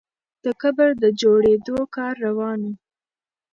د قبر د جوړېدو کار روان وو.